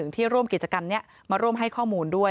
ที่ร่วมกิจกรรมนี้มาร่วมให้ข้อมูลด้วย